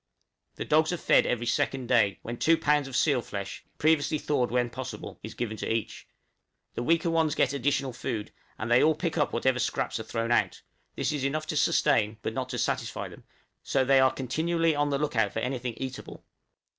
The dogs are fed every second day, when 2 lbs. of seal's flesh previously thawed when possible is given to each; the weaker ones get additional food, and they all pick up whatever scraps are thrown out; this is enough to sustain, but not to satisfy them, so they are continually on the look out for anything eatable.